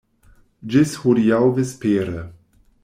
Ĝis hodiaŭ vespere.